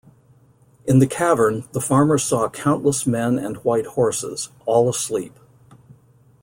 In the cavern, the farmer saw countless men and white horses, all asleep.